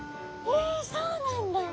えそうなんだ。